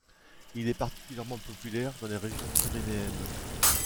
Il est particulièrement populaire dans les régions pyrénéennes.